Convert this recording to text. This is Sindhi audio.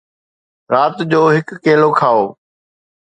رات جو هڪ کيلو کائو